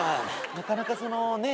なかなかそのねっ。